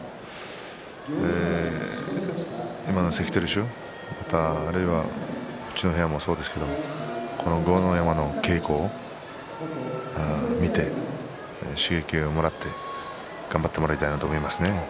今の関取衆あるいはうちの部屋もそうですけれど豪ノ山の稽古を見て刺激をもらって頑張ってもらいたいなと思いますね。